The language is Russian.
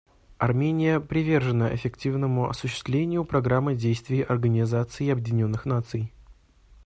Армения привержена эффективному осуществлению Программы действий Организации Объединенных Наций.